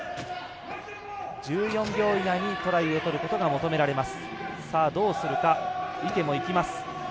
１４秒以内にトライを取ることが求められます。